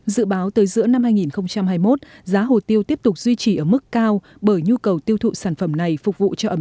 dự báo tới giữa năm hai nghìn hai mươi một giá hồ tiêu tiếp tục duy trì ở mức cao bởi nhu cầu tiêu thụ sản phẩm này phục vụ cho ẩm